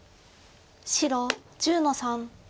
白１０の三。